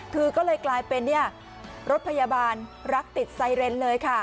คือก็เลยกลายเป็นรถพยาบาลรักติดไซเรนเลยค่ะ